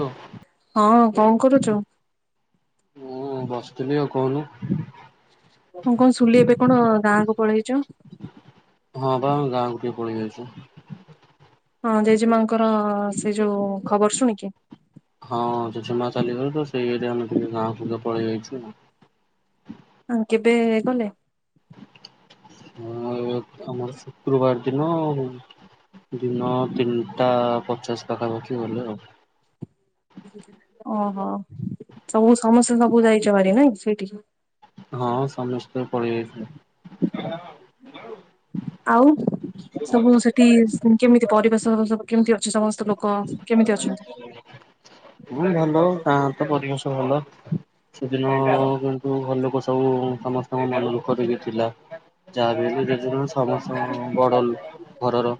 ହଁ ହଁ କଂ କରୁଚ। ମୁଁ ବସିଥିଲି ଆଉ କହୁନୁ। ହଁ କଂ ସୁୁଲି ଏବେ କଣ ଗାଁକୁ ପଳେଇଚ। ହଁ ପା ଆମ ଗାଁକୁୁ ଟିକେ ପଳେଇ ଆଇଚି। ହଁ ଜେଜେମାଙ୍କର ସେ ଯୋଉ ଖବର ଶୁଣିକି ହଁ ଜେଜେମା ଚାଲିଗଲେ ତ ସେଇ ଇଏରେ ଆମେ ଟିକେ ଗାଁକୁ ପଳେଇ ଯାଇଚୁ। ହଁ କେବେ ଗଲେ? ହିଁ ଆଉ ତମର ତ ଶୁକ୍ରବାର ଦିନ ଆଉ। ଦିନ ତିନିଟା ପଚାଶ ପାଖାପଖି ଗଲେ ଆଉ। ଓହୋ ସବୁ ସମସ୍ତେ ସବୁ ଯାଇଛ ଭାରି ନାଇଁ ସେଇଠିକି? ହଁ ସମସ୍ତେ ପଳିଆଇଥିଲେ। ଆଉ ସବୁ ସେଠି କେମିତି ପରିବେଶ ସବୁ କେମିତି ଅଛି ସମସ୍ତ ଲୋକ। କେମିତି ଅଛନ୍ତି? ହ ହଁ ଭଲ ଗାଁ ତ ପରିବେଶ ଭଲ ସେଦିନ କିନ୍ତୁ ଘର ଲୋକ ସବୁ ସବୁ ସମସ୍ତଙ୍କ ମନ ଦୁଃଖ ଟିକେ ଥିଲା ଯାହା ବି ହେଲେ ଜେଜେମା ସ ସମସ୍ତ ବଡଲୋକ ଘରର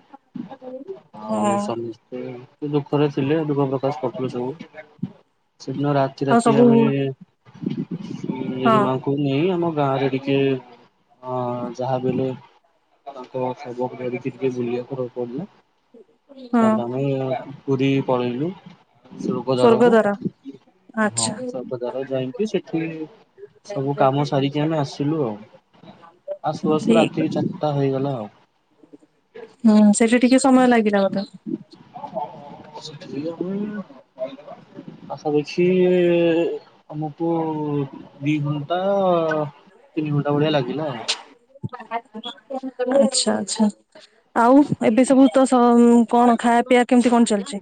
ହଁ ଆଉ ସମସ୍ତ ଦୁଃଖରେ ଥିଲେ ଦୁଃଖ ପ୍ରକାଶ କରୁଥିଲେ ସବୁ। ସେଦିନ ରାତି ଆଉ ରାତି ସବୁ ଆମେ ହଁ ଜେଜେମାକୁ ତାକୁ ନେଇ ଆମ ଗାଁରେ ଟିକେ ଅ ଯାହାବିହେଲେ ତାଙ୍କୁ ଖାଇବାକୁ ଦେଇ ଦେଇଥିଲି ଯେ ବୁଲିବାକୁ ହବ ନାଁ। ହଁ ତାପରେ ଆମେ ପୁରୀ ପଳେଇଲୁ ସ୍ବର୍ଗ ସ୍ଵର୍ଗ ଦାରକୁ। ଦ୍ୱାର ହଁ ଆଚ୍ଛା ସ୍ବର୍ଗ ଦ୍ଵାର ଯାଇଁକି ସେଠି ସବୁ କାମ ସାରିକି ଆମେ ଆସିଲୁ ଆଉ ଆଶୁ ଆଶୁ ଠିକ ରାତି ଚାରିଟା ହେଇଗଲା ଆଉ। ହୁଁ ସେଠି ଟିକେ ସମୟ ଲାଗିଲା ବୋଧେ? [unintelligible] ଆସା ରହିଛି ତମକୁୁ ଦି ଘଣ୍ଟା ତିନି ଘଣ୍ଟା ଭଳିଆ ଲାଗିଲା ଆଉ। ଆଛା ଆଛା ଆଉ ଏବେ ସବୁତ ସ କଣ ଖାଇବା ପିଇବା କେମିତି କଣ ଚାଲିଛି?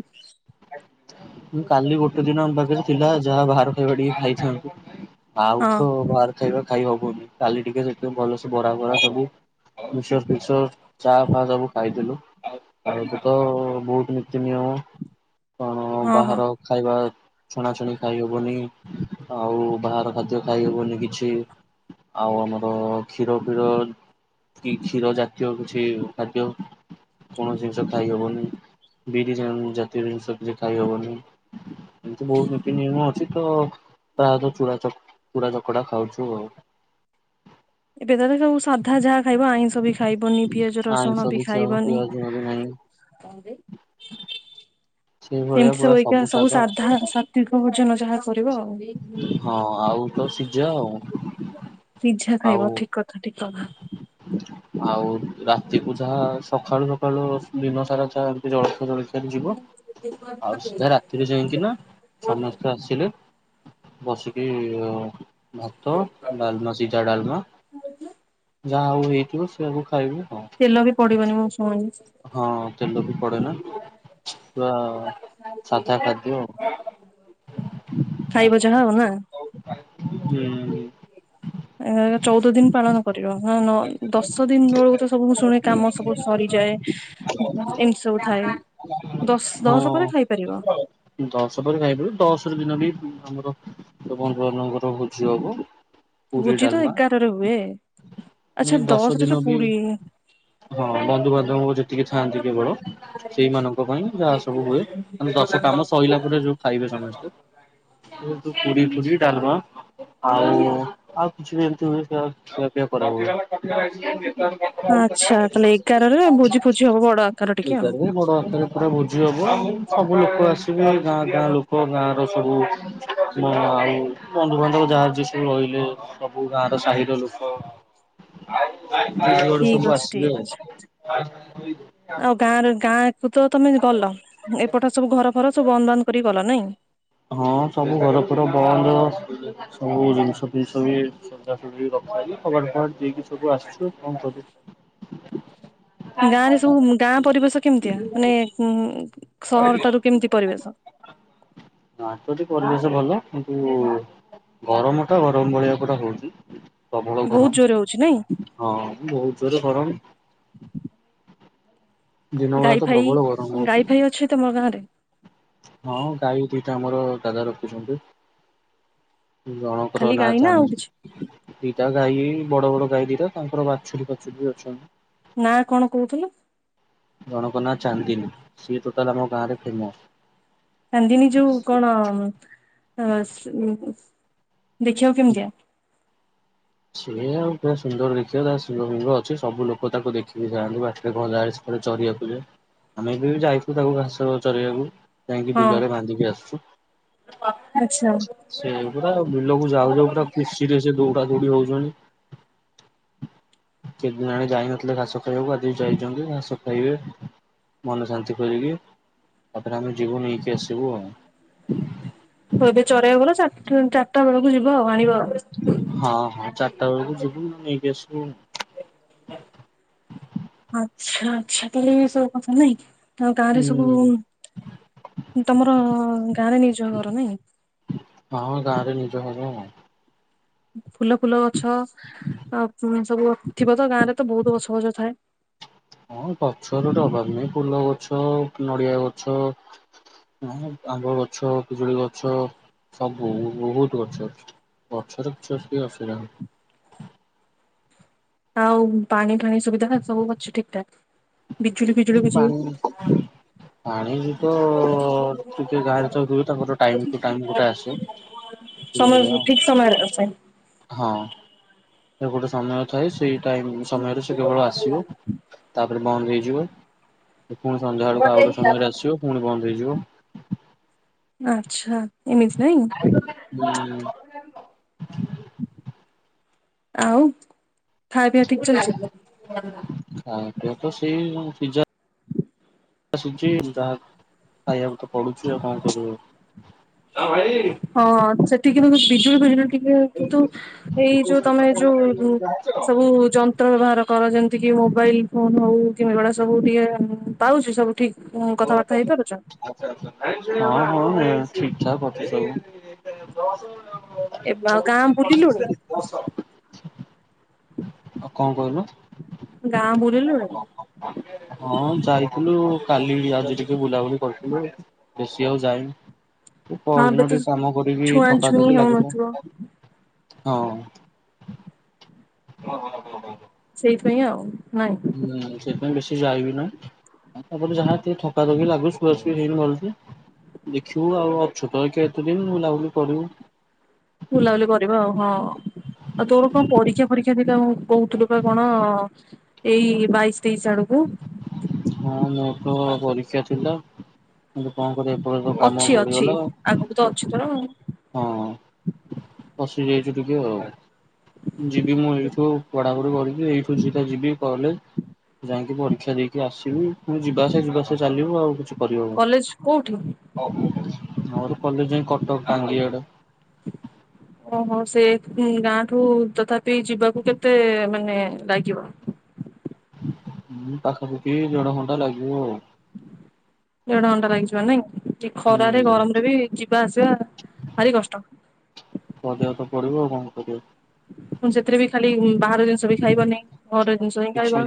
ମୁଁ କାଲି ଗୋଟେ ଦିନ ଆମ ପାଖରେ ଥିଲା ଯାହା ବାହାର ଖାଇବା ଟିକେ ଖାଇଥାନ୍ତୁ ହଁ ଆଉଥ ବାହାର ଖାଇବା ଖାଇ ହବୁନି କାଲି ଟିକେ ସେଥିଜୋଗୁ ଭଲସେ ବରା ବରା ସବୁ ମିଚକର୍ ଫିକର୍ ଚା ଫା ସବୁ ଖାଇଦଥିଲୁ। ଆଉ ଏବେ ତ ବୋହୁତ ନୀତି ନିୟମ କଣ ହଁ ହଁ ବାହାର ଖାଇବା ଛଣାଛଣି ଖାଇହବନି ଆଉ ବାହାର ଖାଦ୍ୟ ଖାଇହବନି କିଛି। ଆଉ ଆମର କ୍ଷୀର ଫିର କିଏ କ୍ଷୀର ଜାତୀୟ କିଛି ଖାଦ୍ୟ କୌଣସି ଜିନିଷ ଖାଇହବନି ବିରି ଜାତୀୟ ଜିନିଷ କିଛି ଖାଇହବନି। ଏମିତି ବୋହୁତ ନିତି ନିୟମ ଅଛି। ତ ପ୍ରାୟତଃ ଚୂଡାଚକ ଚୂଡ଼ା ଚକଡା ଖାଉଛୁ ଆଉ। ଏବେ ତ ସବୁ ସାଧା ଯାହା ଖାଇବ ଆଇଁଷ ବି ଖାଇବନି ପିଆଜ ଆଇଁଷ ରସୁଣ ବି ଖିଆ ଖାଇବନି ପିଆଜ ବି ନାହିଁ। ସେମିତି ସବୁ ଏକ୍ଷୀ ଆଁ ସବୁ ସାଧା ଦୀର୍ଘ ଭୋଜନ ଯାହା କରିବା ଆଉ। ହଁ ଆଉ ତ ସିଜା ଆଉ। ସିଜା ଆଉ ଖାଇବ ଠିକ୍ କଥା ଠିକ୍ କଥା। ଆଉ ରାତିକୁୁ ଯାହା ସକାଳୁ ସକାଳୁ ଦିନ ସାରା ଯହା ଏମିତି ଜଳଖିଆ ଫଳଖିଆ ସିଆଡେ ଯିବ ଆଉ ସିଧା ରାତିରେ ଯାଇକି ନା ସମସ୍ତେ ଆସିଲେ ବସିକି ଭାତ ଡଲମା ସିଜା ଡଲମା ଯାହା ହୋଉ ହେଇଥିବ ସେଆକୁ ଖାଇବୁ ହଁ। ତେଲ ବି ପଡିବନି ମୁଁ ଶୁଣିଲି। ହଁ ତେଲ ବି ପଡେ ନା। ଯାହା ସାଧା ଖାଦ୍ୟ। ଖାଇବ ଯାହା ଆଉ ନା। ହୁଁ। ଆ ଚଉଦ ଦିନ ପାଳନ କରିବ ନା ନ ଦଶ ଦିନ ବେଳକୁ ତ ସବୁ ଶୁଣେ କାମ ସବୁ ସରିଯାଏ ଏମିତି ସବୁ ଥାଏ। ଦଶ ଦଶ ହଁ ପରେ ଖାଇପାରିବ। ଦଶ ପରେ ଖାଇପାରୁ ଦଶର ଦିନ ବି ଆମର ବନ୍ଧୁ ବାନ୍ଧବ ଘର ଭୋଜି ହବ। ପୁରୀ ଭୋଜି ତ ଏଗାରରେ ହୁଏ। ଆଚ୍ଛା ନାଇଁ ଦଶ ଦଶରେ ଯୋଉ ଦିନ ବି ପୁରୀ ହଁ ବନ୍ଧୁ ବାନ୍ଧବ ଯେତିକି ଥାଆନ୍ତି କେବଳ ସେଇମାନଙ୍କ ପାଇଁ ଯାହା ସବୁ ହୁଏ ମାନେ ଦଶ କାମ ସରିଲା ପରେ ଯୋଉ ଖାଇବେ ସମସ୍ତେ ଏଇ ଯୋଉ ପୁରୀ ଫୁରୀ ଡାଲମା ଆଉ ଆଉ କିଛି ବି ଏମତି ହୁଏ ଖିଆପିଆ କରାହୁଏ। ଆଚ୍ଛା ତାହେଲେ ଏଗାରରେ ଭୋଜି ଫୋଜି ହବ ବଡ ଆକାର ଟିକେ ଆଉ ଏଗାରରେ ବଡ଼ ଆକାର ପୁରା ଭୋଜି ହବ ସବୁ ଲୋକ ଆସିବେ ଗାଁ ଗାଁ ଲୋକ ଗାଁର ସବୁ ମ ଆଉ ବନ୍ଧୁବାନ୍ଧବ ଯାହାର ଯିଏ ସବୁ ରହିଲେ ସବୁ ଗାଁର ସାହିର ଲୋକ। ହଁ [unintelligible] ଠିକ ଅଛି ଠିକ ଅଛି। ଆଉ ଗାଁର ଗାଁକୁ ତ ତମେ ଗଲ ଏପଟ ସବୁ ଘର ଘର ସବୁ ବନ୍ଦ ବାନ୍ଦ କରିକି ଗଲ ନାଇଁ? ହଁ ସବୁ ଘର ଫର ବନ୍ଦ ସବୁ ଜିନଷ ଫିନଷ ବି ସଜାସୁଜି ରଖାହେଇକି କବାଟ ଫବାଟ ଦେଇକି ସବୁ ଆସଚୁ କଣ କରୁ [unintelligible] ଗାଁରେ ସବୁ ଗାଁ ପରିବେଶ କେମତିଆ ମାନେ ଉଁ ସହରଠାରୁ କେମିତି ପରିବେଶ? ଗାଁ ପରି ପରିବେଶ ଭଲ କିନ୍ତୁ ଗରମଟା ଗରମ ଭଳିଆ ପୁରା ହୋଉଚି ପ୍ରବଳ ବହୁତ ଗରମ। ଜୋରରେ ହଉଛି ନାଇଁ ହଁ ବୋହୁତ ଜୋରେ ଗରମ। ଦିନ ବେଳା ଗାଈ ତ ଫାଇ ପ୍ରବଳ ଗରମ ହଉଛି। ଗାଈ ଫାଇ ଅଛି ତମ ଗାଁରେ? ହଁ ଗାଈ ଦୁଇଟା ଆମର ଦାଦା ରଖିଛନ୍ତି। ହୁଁ ଜଣକର ଖାଲି ନା ଗାଈ ଆଉ କିଛି? ଚାନ୍ଦି। ଦିଟା ଗାଈ ବଡ ବଡ ଗାଈ ଦିଟା ତାଙ୍କର ବାଛୁରୀ ଫାଛୁରୀ ବି ଅଛନ୍ତି। ନା କଣ କୋହୁଥୁଲୁ? ଜଣକ ନାଁ ଚାନ୍ଦିନୀ ସିଏ ଟୋଟାଲ ଆମ ଗାଁରେ ଫେମସ୍। ଚାନ୍ଦିନି ଯୋଉ କଣ ଅ ସ୍ ଦେଖିବାକୁ କେମତିଆ? ସିଏ ଆଉ ପୁରା ସୁନ୍ଦର ଦେଖିବା ତା ଶିଙ୍ଗ ଫିଙ୍ଗ ଅଛି ସବୁ ଲୋକ ତାକୁ ଦେଖିକି ଯାଆନ୍ତି ବାଟରେ ଗଲାବେଳେ ସେ ଏପଟେ ଚରିବାକୁ ଯାଏ ଆମେ ବି ଯାଇଥିଲୁ ତାକୁ ଘାସ ଚରେଇବାକୁ। ଯାଇଁକି ହଁ ବିଲରେ ବାନ୍ଧିକି ଆସଚୁ। ଆଚ୍ଛା। ସେ ପୁରା ବିଲକୁ ଯାଉ ଯାଉ ପୁରା ମିସିକିରେ ଯୋରସେ ଦୌଡାଦୌଡି ହୋଉଚନ୍ତି। କେତେଦିନି ହେଲାଣି ଯାଇନଥିଲେ ଘାସ ଖାଇବାକୁ ଆଜି ଯାଇଚନ୍ତି ଘାସ ଖାଇବେ। ମନ ଶାନ୍ତି କରିକି ତାପରେ ଆମେ ଯିବୁ ନେଇକି ଆସିବୁ ଆଉ। ହୋଉ ଏବେ ଚରେଇବାକୁ ଗଲ ଚାରଟା ଚାରଟା ବେଳକୁ ଯିବ ଆଉ ଆଣିବ ହଁ ହଁ ଚାରଟା ବେଳକୁ ଯିବୁ ନେଇକି ଆସିବୁ। ଆଚ୍ଛା ଆଚ୍ଛା ତାହେଲେ ଏସବୁ କଥା ନାଇଁ ଆଉ ଗାଁରେ ହୁଁ ସବୁ ତମର ଗାଁରେ ନିଜ ଘର ନାଇଁ। ହଁ ଗାଁରେ ନିଜ ଘର ଆଉ। ଫୁଲ ଫୁଲ ଗଛ ଆ ସବୁ ଥିବ ତ ଗାଁରେ ତ ବହୁତ ଗଛ ଫଛ ଥାଏ। ହଁ ଗଛର ଏଠି ଅଭାବ ନାହିଁ ଫୁଲ ଗଛ ନଡିଆ ଗଛ। ଆଉ ଆମ୍ବ ଗଛ ପିଜୁଳି ଗଛ ସବୁ ବହୁତ ଗଛ ଅଛି। ଗଛର କିଛି ଏଠି ଅସୁବିଧା ନାହିଁ। ଆଉ ପାଣି ଫାଣି ସୁବିଧା ସବୁ ଅଛି ଠିକ୍ ଠାକ୍? ବିଜୁଳି ଇ ପାଣି। ପାଣି ବି ତ ଟିକେ ଗାଁରେ ଜାଣିଥିବେ ତାଙ୍କର ଟାଇମ୍ ଟୁ ଟାଇମ୍ ଗୋଟେ ଆସେ। ସମୟ ସେଇଭଳିଆ ଠିକ ସମୟ। [unintelligible] ହଁ ସେ ଗୋଟେ ସମୟ ଥାଏ ସେଇ ଟାଇମ୍ ସମୟରେ ସେ କେବଳ ଆସିବ ତା ପରେ ବନ୍ଦ ହେଇଯିବ ପୁଣି ସନ୍ଧ୍ୟା ବେଳକୁ ଆଉ ଗୋଟେ ସମୟରେ ଆସିବ ପୁଣି ବନ୍ଦ ହେଇଯିବ। ଆଚ୍ଛା ଏମିତି ନାଇଁ। ହୁଁ। [inaudible] ଆଉ ଖା ପିଆ ଠିକ୍ ଚାଲିଚି? ଖା ପିଆ ତ ସେଇ ପିଜା ଆସୁଛି ଯାହା ଖାଇବାକୁ ତ ପଡୁଛି ଆଉ କଣ କରି ହବ। ହଁ ସେଠିକି ବିଜୁଳି ବିଜୁଳି ଟିକେ କିନ୍ତୁ ଏଇ ଯୋଉ ତମେ ଯୋଉ ସବୁ ଯନ୍ତ ତ୍ର ବ୍ୟବହାର କର ଯେମିତିକି ମୋବାଇଲ ଫୋନ ହଉ କି ଏଗୁଡ଼ା ସବୁ ଟିକେ ପାଉଛି ସବୁ ଠିକ୍? ଉଁ କଥାବାର୍ତ୍ତା ହେଇପାରୁଛ? ହଁ ହଁ ଏ ଠିକ୍ ଠାକ୍ ଅଛି ସବୁ। ଏବେ ଆଉ ଗାଁ ବୁଲିଲୁଣି [unintelligible] ହ କଣ କହିଲୁ? ଗାଁ ବୁଲିଲୁଣି ହଁ ଯାଇଥିଲୁ କାଲି ବି ଆଜି ଟିକେ ବୁଲାବୁଲି କରିଥିଲୁ। ବେଶି ଆଉ ଯାଇନି ହଁ ଏବେ ପରଦିନ ତ ଟିକେ କାମ କରିକି ଛୁଆଁ ଛୁଇଁ ଥକାଥକି ଲାଗୁଥିଲା। ହଉନଥିବ ହଁ। ହଁ ହଁ ହଁ ହଁ ହଁ। ସେଇଥିପାଇଁ ଆଉ ନାଇଁ। ହୁଁ ସେଇଥିପାଇଁ ବେଶି ଯାଇବି ନା। ତାପରେ ଯାହା ଟିକେ ଥକା ଥକି ଲାଗୁଚି ସୁଆ ସୁଇ ହେଇନି ଭଲସେ। ଦେଖିବୁ ଆଉ ଅଛୁ ତ କେତେଦିନ ବୁଲାବୁଲି କରିବୁ। ବୁଲାବୁଲି କ ରିବ ଆଉ ହଁ ଆଉ ତୋର କଣ ପରୀକ୍ଷା ପରୀକ୍ଷା ଥିଲା କହୁଥିଲୁ ବା କଣ? ଏଇ ବାଇସି ତେଇସି ଆଡକୁ। ହଁ ମୋର୍ ତ ପରୀକ୍ଷା ଥିଲା। କିନ୍ତୁ କଣ କରିବା ଏପଟେ ତ କାମ ଅଛି ଅଛି ବଢିଗଲା ଆଗକୁ ତ ଅଛି ତୋର ଆଉ। ହଁ ଫସି ଯାଇଛୁ ଟିକେ ଆଉ ଯିବି ମୁଁ ଏଇଠୁ କ୍ୱା ତାପରେ କରିକି ଏଇଠୁ ସିଧା ଯିବି କଲେଜ୍। ଯାଇକି ପରୀକ୍ଷା ଦେଇକି ଆସିବି ପୁଣି ଯିବା ଆସିବା ଯିବା ଆସିବା ଚାଲିବ ଆଉ କିଛି କଲେଜ କୋଉଠି? କରିହବନି। ମୋର କଲେଜ ଯାଇ କଟକ ଟାଙ୍ଗି ଆଡେ। [unintelligible] ଓ ହୋ ସେ ଗାଁଠୁ ତଥାପି ଯିବାକୁ କେତେ ମାନେ ଲାଗିବ? ହୁଁ ପାଖପାଖି ଦେଢ ଘଣ୍ଟା ଲାଗିବ ଆଉ। ଦେଢ଼ ଘଣ୍ଟା ଲାଗିଯିବ ନାଇ ଏ ଖରାରେ ହୁଁ ଗରମ ରେ ବି ଯି ଯିବା ଆସିବା ଭାରି କଷ୍ଟ। [unintelligible] ପଡ଼ିବ ଆଉ କଣ କରିବ। ସେଥିରେ ବି ଖାଲି ବାହାର ଜିନିଷ ବି ଖାଇବ ନି ଘରେ ଜିନିଷ ହିଁ ଖାଇବ।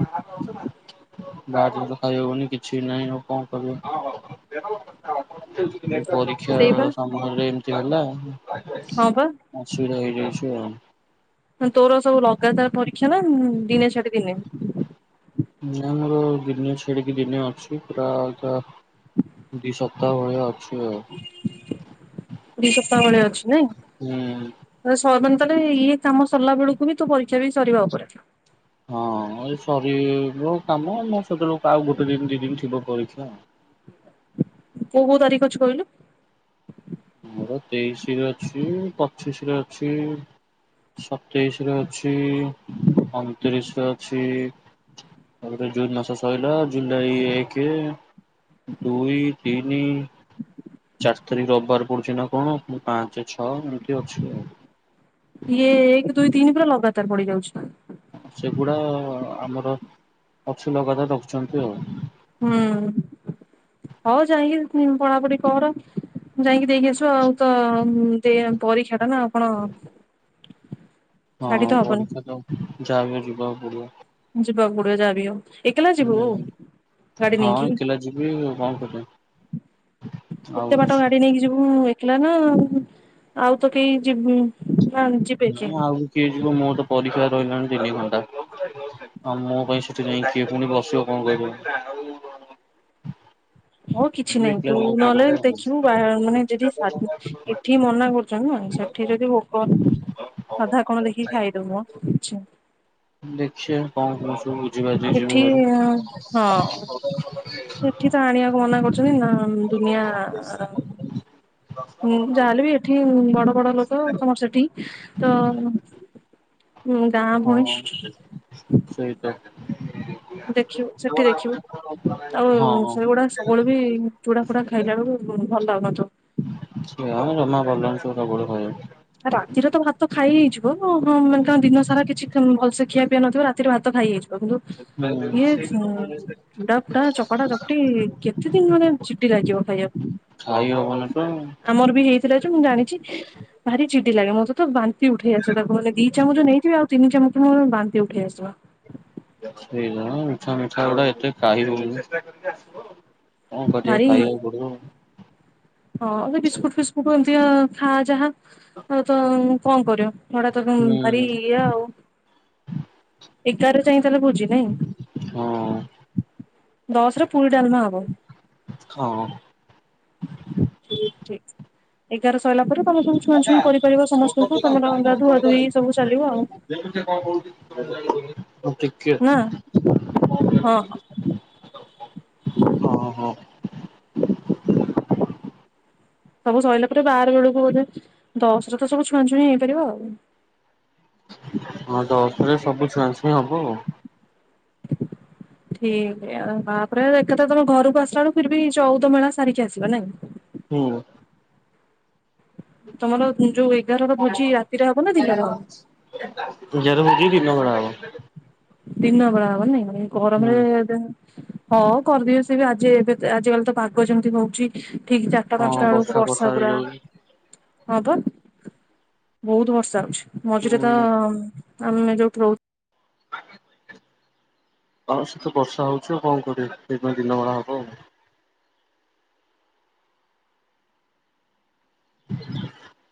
ବାହାର ଜିନିଷ ଖାଇ ହେବନି କିଛିନାହିଁ ଆଉ କଣ କରିବ? ପରୀକ୍ଷା ସେଇବା ସମୟରେ ଏମିତି ହେଲା। ହଁ ବା। ଅସୁବିଧା ହେଇଯାଇଛି ଆଉ। ତୋର ସବୁ ଲଗାତାର ପରୀକ୍ଷା ନା ଦିନେ ଛାଡି ଦିନେ? ନା ମୋର ଦିନେ ଛାଡି ଦିନେ ଅଛି ପୁରା ଅଧା ଦି ସ [unintelligible] ଦି ସପ୍ତାହ ଭଳିଆ ଅଛି ନାଇ? ହୁଁ [unintelligible] ୟେ କାମ ସରିଲା ବେଳକୁ ତୋ ପରୀକ୍ଷା ବି ସରିବା ଉପରେ। ହଁ ଏ ସରିବ କାମ ସେତେବେଳ କୁ ଆଉ ଗୋଟେ ଦି ଦିନ ଥିବ ପରୀକ୍ଷା। କୋଉ କୋଉ ତାରିଖ ଅଛି କହିଲୁ? ମୋର ତେଇଶି ରେ ଅଛି ପଚିଶି ରେ ଅଛି। ସତେଇଶି ରେ ଅଛି ଅନତିରିଶ ରେ ଅଛି। ଏବେ ତୋ ଜୁନ୍ ମାସ ସରିଲା ଜୁଲାଇ ଏକେ ଦୁଇ, ତିନି, ଚାରି ତାରିଖ ରବିବାର ପଡୁଛି ନା କଣ ମୁଁ ପାଞ୍ଚ, ଛଅ ଏମିତି ଅଛି ଆଉ। ଇଏ ଏକ, ଦୁଇ, ତିନି ପୁରା ଲଗାତାର ପଡ଼ିଯାଉଛି। ସେଗୁଡା ଆମର ଅଛି ଲଗାତାର ରଖିଛନ୍ତି ଆଉ। ହୁଁ। ହଁ ଯାଇକି ପଢ଼ାପଢ଼ି କର ଯାଇକି ଦେଇକି ଆସିବ ଆଉ। ତୋ ଦେ ପରୀକ୍ଷା ଟା ନା ଆପଣ ହଁ ପରୀକ୍ଷା ତୋ ଯାହା ବି ହେଲେ ଯିବାକୁ ପଡ଼ିବ। ଯିବା କୁ ପଡିବ ଯାହା ବି ହଉ। ଏକଲା ଯିବୁ ହୁଁ ଗାଡି ହଁ ନେଇକି ଏକେଲା ଯିବି ଆଉ କଣ କରିବି। ଆଉ ଏତେ ବାଟ ଗାଡ଼ି ନେଇକି ଯିବୁ ଏକେଲା ନା ଆଉ ତୋ କେହିଁ ଯିବୁ ନା ଯିବେ କିଏ ନା ଆଉ କିଏ ଯିବ ମୋର ତୋ ପରୀକ୍ଷା ରହିଲାନି ତିନି ଘଣ୍ଟା। ଆଉ ମୋ ପାଇଁ ସେଠେ ଯାଇକି କିଏ ପୁଣି ବସିବ କ କହିବ? ହଉ କିଛି ନାଇ ଏକଲା ତୁ ଯିବାକୁ ନ ପଡିବ ହେଲେ ଆଉ। ଦେଖିବୁ [unintelligible] ଏଠି ମନା କରିଛନ୍ତି ନା ସେଠୀ ଯଦି ଭୋକ ସାଧା କଣ ଦେଖିକି ଖାଇ ଦେବ ହ ଆଛା। ଦେଖିବା କଣ କଣ ସବୁ ବୁଝି ବାଜିକି ଯିବୁ ଏଠି ହେରି। ହଁ ଏଠି ତୋ ଆଣିବାକୁ ମନା କରିଛନ୍ତି ନା ଦୁନିଆ ହୁଁ ଯାହା ହେଲେ ବି ଏଠି ବଡ଼ ବଡ଼ ଲୋକ ତମର ସେଠୀ ତୋ ହଁ ସେଇତ। ଦେଖିବ ସେଠୀ ଦେଖିବ ଆଉ ହଁ ସେଗୁଡା ସବୁ ବେଳେ ବି ଚୁଡ଼ା ଫୁଡା ଖାଇଲା ବେଳକୁ ଭଲ ଲାଗୁ ନଥିବ। ସେ ଆଉ ଜମା ଭଲ ଲାଗୁନି ସେ ସବୁ ବେଳେ ଖାଇବା। ରାତିରେ ତ ଭାତ ଖାଇହେଇଯିବ ହଁ ମାନେ ତମେ ଦିନ ସାରା ଭଲସେ ଖିଆପିଆ ନ ଥିବ ରା ରାତିରେ ଭାତ ଖାଇ ହେଇଯିବ କିନ୍ତୁ ୟେ [unintelligible] ଚୁଡ଼ା ଫୁଡ଼ା ଚକଟା ଚକଟି କେତେ ଦିନ ମାନେ ଚିପିରା ଯିବ ଖାଇବାକୁ। ଖାଇ ହବନି ତ। ଆମର ବି ହେଇଥିଲା ଯେ ମୁଁ ଜାଣିଚି। ଭାରି ଚିଡି ଲାଗେ ମତେ ତୋ ବାନ୍ତି ଉଠେଇଆସେ ତାକୁ ମତେ ଦି ଚାମଚ ନେଇଥିବି ଆଉ ତିନି ଚାମଚ ମୋର ବାନ୍ତି ଉଠେଇ ଆସିବ। ସେଇକଣ ମିଠା ଫିଠା ଗୁଡା ଏତେ ଖାଇ ହୋଉନି। କଣ କରିବା ଭାରି ଖାଇବାକୁ ପଡିବ। ହଁ ଏ ବିସ୍କୁଟୁ ଫିସ୍କୁଟୁ ଏମିତିଆ ଖା ଯାହା ଆଉ ତ କଣ କରିବ। ହେଡା ତ ପୁଣି ଭା ରି ଇଏ ଆଉ। ଏଗାରେ ଯାଇକି ତାହେଲେ ଭୋଜି ନାଇଁ? ହଁ। ଦଶରେ ପୁରୀ ଡାଲମା ହବ। ହଁ। ଠିକ୍ ଠିକ୍ ଏଗାର ସଇଲା ପରେ? ତମେ ସବୁ ଛୁଆଁ ଛୁଇଁ କରିପାରିବ ସମସ୍ତଙ୍କୁ ତମର ଗାଧୁଆ ଧୁଇ ସବୁ ଚାଲିବ ଆଉ। ଦେଖ ନି ସେ କଣ କହୁଚି? ମୁଁ ନା ଟିକିଏ ହଁ ହଁ ହଁ ହଁ ସବୁ ସରିଲା ପରେ ବାର ବେଳକୁ ବୋଧେ ଦଶରେ ତ ସବୁ ଛୁଆଁ ଛୁଇଁ ହେଇପାରିବ ଆଉ। ହଁ ଦଶରେ ସବୁ ଛୁଆଁଛୁଇଁ ହବ ଆଉ। ଠିକି ଆଉ ତାପରେ ଏକାଥାରେ ତମେ ଘରକୁ ଆସିଲା ବେଳକୁ ଫିର ବି ଚଉଦ ମେଳା ସାରିକି ଆସିବ ନାଇଁ? ହୁଁ। ତମର ଯୋଉ ଏଗାରର ଭୋଜି ରାତିରେ ହବ ନା ଦିନରେ ହବ? ଏଗାର ଭୋଜି ଦିନ ବେଳେ ହବ। ଦିନ ବେଳା ହବ ନାଇଁ ହୁଁ ଗରମରେ ଦେହ। ହଁ କରିଦିଅ ସେ ବି ଆଜି ଏବେ ଆଜି କାଲି ତ ପାଗ ଯେମିତି ହୋଉଚି। ଠିକ୍ ଚାରିଟା ହଁ ପାଞ୍ଚଟା ବୋଳୁକୁ ଫର୍ଷା ବର୍ଷା ପୁରା। ହେଇଯାଉଛି ହଁପା ବହୁତୁ ବର୍ଷା ହୋଉଛି ମଝିରେ ତ ହୁଁ। ଆମେ ଯୋଉଠି ରହୁ ଆଉ ସେତ ବର୍ଷା ହୋଉଛି ଆଉ କଣ କରିବା ସେଇ ପାଇଁ ଦିନ ବେଳା ହବ ଆଉ। [inaudible]